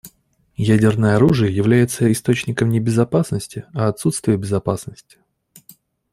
Ядерное оружие является источником не безопасности, а отсутствия безопасности.